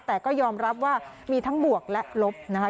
แต่ก็ยอมรับว่ามีทั้งบวกและลบนะคะ